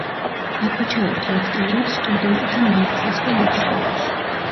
აქვე ჩაერთო აქტიურად სტუდენტთა მარქსისტულ მოძრაობაში.